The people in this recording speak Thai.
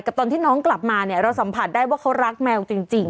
ตอนที่น้องกลับมาเนี่ยเราสัมผัสได้ว่าเขารักแมวจริง